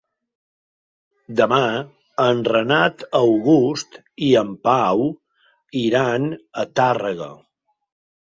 Demà en Renat August i en Pau iran a Tàrrega.